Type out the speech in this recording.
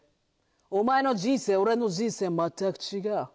お前の人生俺の人生全く違う。